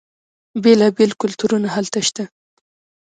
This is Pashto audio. بیلا بیل کلتورونه هلته شته.